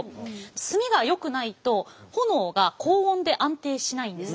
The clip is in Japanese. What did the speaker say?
炭がよくないと炎が高温で安定しないんです。